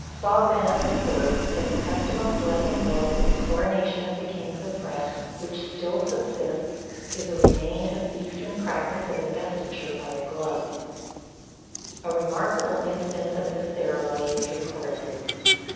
Favin observes, that the custom of blessing gloves at the coronation of the kings of France, which still subsists, is a remain of the eastern practice of investiture by a glove. A remarkable instance of this ceremony is recorded.